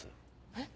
えっ？